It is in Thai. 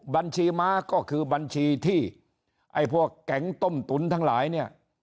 บัญชีม้าก็คือบัญชีที่ไอ้พวกแก๊งต้มตุ๋นทั้งหลายเนี่ย